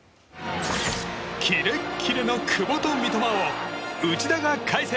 キレッキレの久保と三笘を内田が解説！